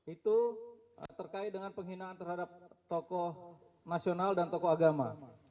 itu terkait dengan penghinaan terhadap tokoh nasional dan tokoh agama